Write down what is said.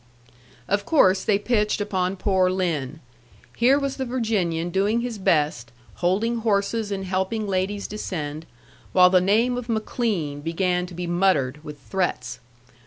Of course they pitched upon poor Lin. Here was the Virginian doing his best, holding horses and helping ladies descend, while the name of McLean began to be muttered with threats.